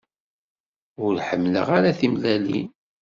Ur ḥemmleɣ ara timellalin.